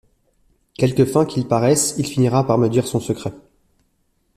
Quelque fin qu’il paraisse, il finira par me dire son secret.